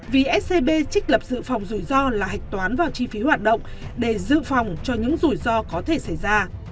vì scb trích lập dự phòng rủi ro là hạch toán vào chi phí hoạt động để dự phòng cho những rủi ro có thể xảy ra